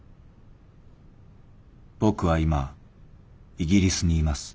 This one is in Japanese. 僕は今イギリスにいます。